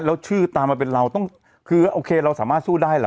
แล้วชื่อตามมาเป็นเราต้องคือโอเคเราสามารถสู้ได้เหรอ